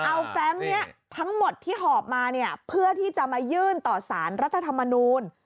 เอาแฟมนี้ทั้งหมดที่หอบมาเนี่ยเพื่อที่จะมายื่นต่อสารรัฐธรรมนูล